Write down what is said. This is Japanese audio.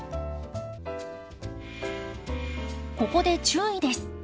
ここで注意です。